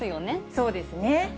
そうですね。